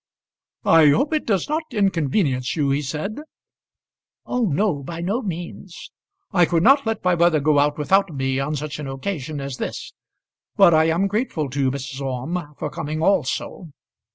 "I hope it does not inconvenience you," he said. "Oh no; by no means." "I could not let my mother go out without me on such an occasion as this. But I am grateful to you, Mrs. Orme, for coming also."